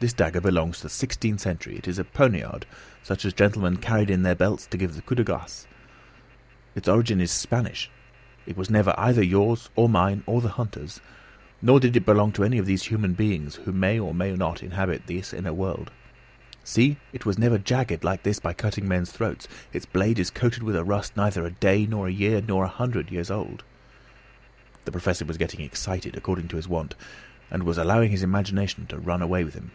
This dagger belongs to the sixteenth century; it is a poniard, such as gentlemen carried in their belts to give the coup de grace. Its origin is Spanish. It was never either yours, or mine, or the hunter's, nor did it belong to any of those human beings who may or may not inhabit this inner world. See, it was never jagged like this by cutting men's throats; its blade is coated with a rust neither a day, nor a year, nor a hundred years old." The Professor was getting excited according to his wont, and was allowing his imagination to run away with him.